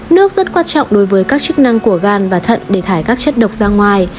nước rất quan trọng đối với các chức năng của gan và thận để thải các chất độc ra ngoài